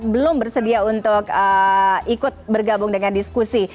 belum bersedia untuk ikut bergabung dengan diskusi